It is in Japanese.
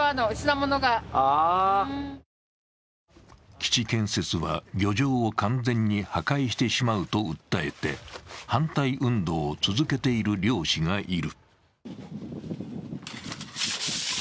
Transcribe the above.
基地建設は漁場を完全に破壊してしまうと訴えて、反対運動を続けている漁師がいる。